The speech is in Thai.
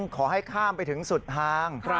ขอให้ข้ามไปถึงสุดทาง